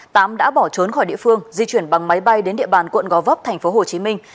tám đã bỏ trốn khỏi địa phương di chuyển bằng máy bay đến địa bàn quận gò vấp thành phố hồ chí minh